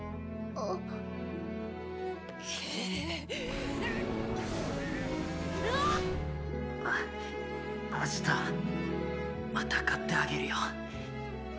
あッ明日また買ってあげるよ。